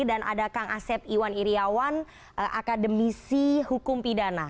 dan ada kang asep iwan iriawan akademisi hukum pidana